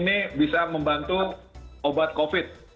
ini bisa membantu obat covid